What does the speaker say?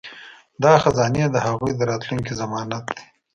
دا خزانې د هغوی د راتلونکي ضمانت دي.